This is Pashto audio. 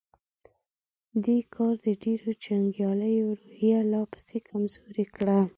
دې کار د ډېرو جنګياليو روحيه لا پسې کمزورې کړه.